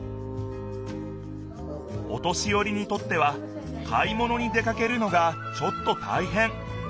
お年よりにとっては買い物に出かけるのがちょっとたいへん。